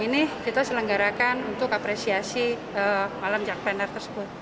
ini kita selenggarakan untuk apresiasi malam jakarta tersebut